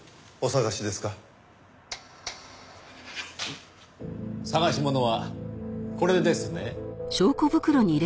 捜し物はこれですね？